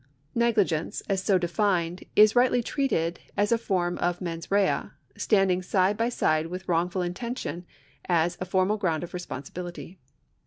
Negligence, as so defined, is rightly treated as a form of mens rea, standing side by side with wrongful intention as a formal ground of responsibility.